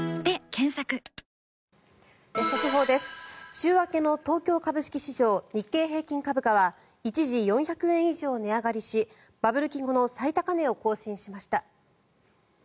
週明けの東京株式市場日経平均株価は一時、４００円以上値上がりしバブル期後の最高値を更新しました。